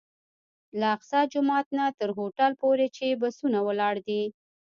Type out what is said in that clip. له اقصی جومات نه تر هوټل پورې چې بسونه ولاړ دي.